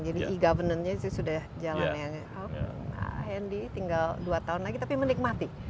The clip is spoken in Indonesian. jadi e governance nya sudah jalan yang handy tinggal dua tahun lagi tapi menikmati